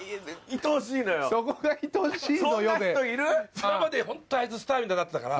それまでホントあいつスターみたいになってたから。